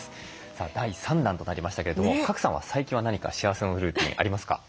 さあ第３弾となりましたけれども賀来さんは最近は何か幸せのルーティンありますか？